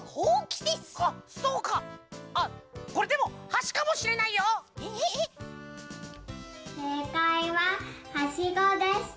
せいかいははしごでした！